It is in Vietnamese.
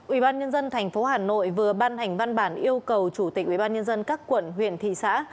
ủy ban nhân dân thành phố hà nội vừa ban hành văn bản yêu cầu chủ tịch ủy ban nhân dân các quận huyện thị xã